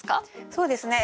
そうですね